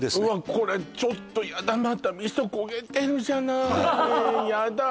これちょっとやだまた味噌焦げてるじゃないやだ